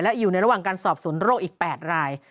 และอยู่ในระหว่างการสอบสวนโรคอีก๘ราย